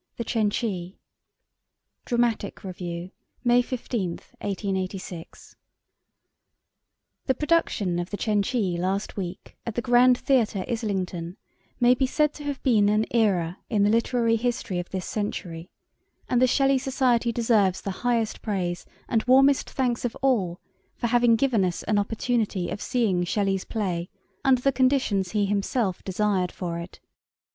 THE CENCI (Dramatic Review, May 15, 1886.) The production of The Cenci last week at the Grand Theatre, Islington, may be said to have been an era in the literary history of this century, and the Shelley Society deserves the highest praise and warmest thanks of all for having given us an opportunity of seeing Shelley's play under the conditions he himself desired for it.